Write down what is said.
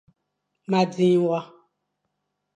Ma dzing wa.